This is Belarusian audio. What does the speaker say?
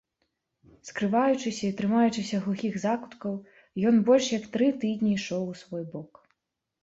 Скрываючыся і трымаючыся глухіх закуткаў, ён больш як тры тыдні ішоў у свой бок.